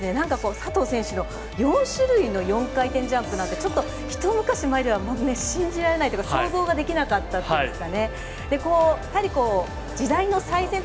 佐藤選手の４種類の４回転ジャンプってちょっと一昔前では信じられないとか想像できなかったんですかね。